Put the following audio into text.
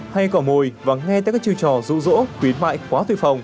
hay cỏ mồi và nghe tới các chiêu trò rũ rỗ quyến mại khóa thủy phòng